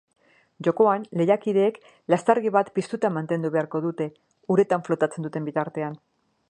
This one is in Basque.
Jokoan lehiakideek lastargi bat piztuta mantendu beharko dute, uretan flotatzen duten bitartean.